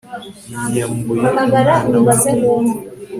Yiyambuye umwana we bwite